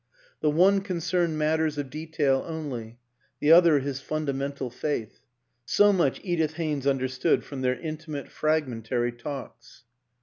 The one concerned matters of detail only; the other his fundamental faith. ... So much Edith Haynes understood from their intimate fragmentary talks.